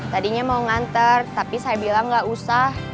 tadinya mau nganter tapi saya bilang gak usah